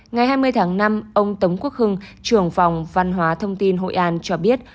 ngày hai mươi tháng năm ông tống quốc hưng trường phòng văn hóa thông tin hội an cho biết